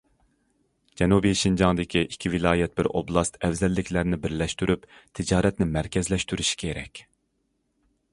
جەنۇبىي شىنجاڭدىكى ئىككى ۋىلايەت، بىر ئوبلاست ئەۋزەللىكلەرنى بىرلەشتۈرۈپ تىجارەتنى مەركەزلەشتۈرۈشى كېرەك.